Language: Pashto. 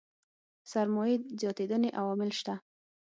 سرمايې زياتېدنې عوامل شته.